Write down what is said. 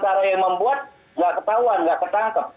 cara yang membuat nggak ketahuan nggak ketangkep